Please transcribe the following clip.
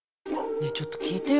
ねえちょっと聞いてよ